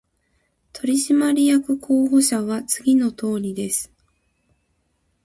取締役候補者は次のとおりです